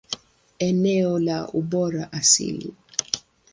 Eneo la ubora asili.